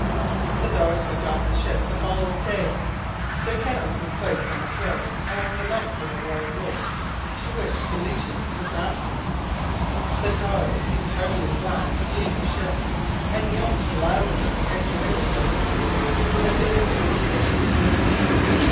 The dogs went off the ship on the following day. Their kennels were placed on the floe along the length of a wire rope to which the leashes were fastened. The dogs seemed heartily glad to leave the ship, and yelped loudly and joyously as they were moved to their new quarters.